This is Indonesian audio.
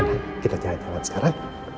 gimana kita jalan jalan sekarang